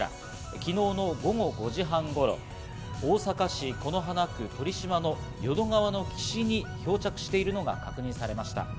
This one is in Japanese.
昨日の午後５時半頃、大阪市此花区酉島の淀川の岸に漂着しているのが確認されました。